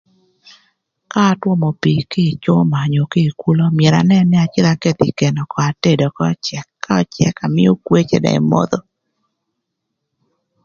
Ka atwömö pii kï ï cüma onyo kï ï kulo myero anën nï acïdh aketho ï kedo atedo ökö öcëk, ka öcëk amïö kwee cë dong emodho